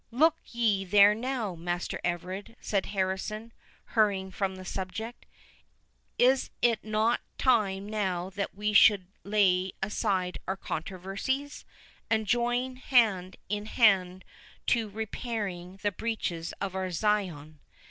"Look ye there now, Master Everard," said Harrison, hurrying from the subject—"Is it not time now that we should lay aside our controversies, and join hand in hand to repairing the breaches of our Zion?